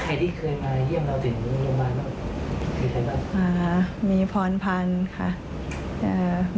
ใครที่เคยมาเยี่ยมเราถึงหรือยังไงบ้าง